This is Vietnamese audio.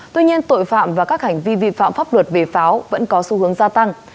tuy nhiên tội phạm và các hành vi vi phạm pháp luật về pháo vẫn có xu hướng gia tăng